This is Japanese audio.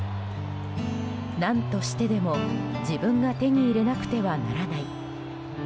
何としてでも自分が手に入れなくてはならない。